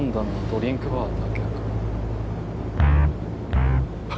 ドリンクバーだけ？